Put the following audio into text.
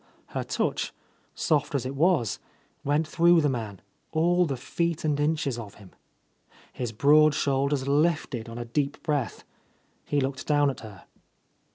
Her touch, soft as it was, went through the man, all the feet and inches of him. His broad shoulders lifted on a deep breath. He looked down at her.